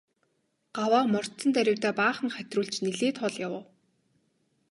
Гаваа мордсон даруйдаа баахан хатируулж нэлээд хол явав.